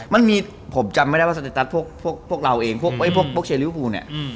มันมีผมจำไม่ได้ว่าสติตรัสพวกเราเองพวกเชลลี่ฟูปูนี่